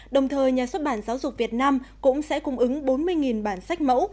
đồng thời nhà xuất bản giáo dục việt nam cũng sẽ cung ứng bốn mươi bản sách mẫu